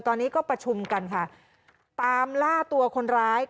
ตอนนี้ก็ประชุมกันค่ะตามล่าตัวคนร้าย